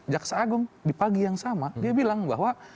jaksa agung di pagi yang sama dia bilang bahwa